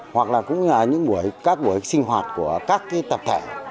hoặc là cũng là những buổi các buổi sinh hoạt của các cái tập thể